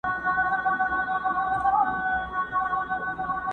د لرګیو یې پر وکړله وارونه!.